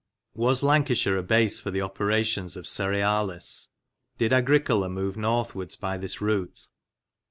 Was Lancashire a base for the operations of Cerealis? Did Agricola move northwards by this route?